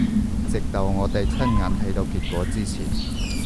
直到我哋親眼睇到結果之前